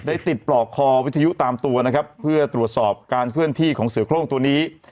ติดปลอกคอวิทยุตามตัวนะครับเพื่อตรวจสอบการเคลื่อนที่ของเสือโครงตัวนี้